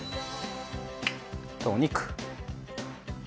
お肉。